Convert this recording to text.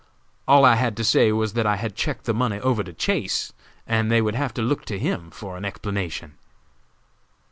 All I had to say was that I had checked the money over to Chase, and they would have to look to him for an explanation.